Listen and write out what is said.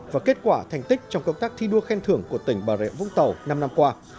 và kết quả thành tích trong công tác thi đua khen thưởng của tỉnh bà rệ vũng tàu năm năm qua